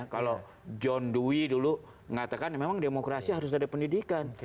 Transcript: kalau john dwi dulu mengatakan memang demokrasi harus ada pendidikan